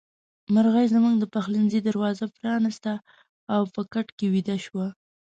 مرغۍ زموږ د پخلنځي دروازه پرانيسته او په کټ کې ويده شوه.